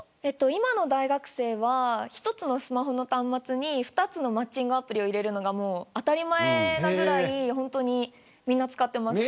今の大学生は一つのスマホの端末に２つのマッチングアプリを入れるのが当たり前なぐらいみんな使っています。